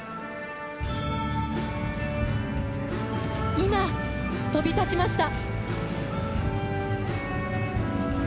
今、飛び立ちました！